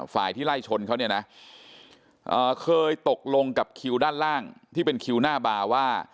ฝ่ายที่ไล่ชนเขาเนี่ยนะเคยตกลงกับคิวด้านล่างที่เป็นคิวหน้าบาร์ว่า